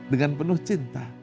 dengan penuh cinta